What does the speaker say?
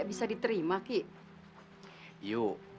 kamu juga mungkin bisa